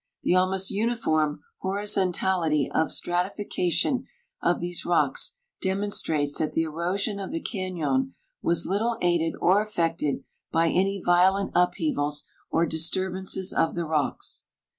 The almost uniform horizontality of stratification of these rocks demonstrates that the erosion of the cañon was little aided or affected by any violent upheavals or disturbances of the rocks.